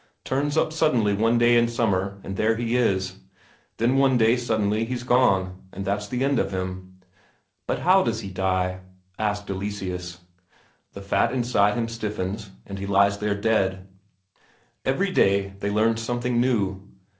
Turns up suddenly one day in summer, and there he is; then one day suddenly he's gone, and that's the end of him." "But how does he die?" asked Eleseus. "The fat inside him stiffens, and he lies there dead." Every day they learned something new.